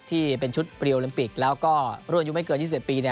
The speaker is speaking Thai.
ที่เป็นชุดเรียโอลิมปิกแล้วก็รุ่นอายุไม่เกิน๒๑ปี